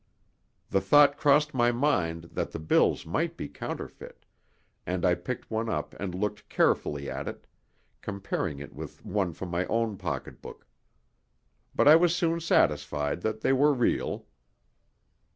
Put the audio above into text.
The thought crossed my mind that the bills might be counterfeit, and I picked one up and looked carefully at it, comparing it with one from my own pocketbook. But I was soon satisfied that they were real.